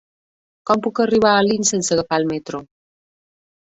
Com puc arribar a Alins sense agafar el metro?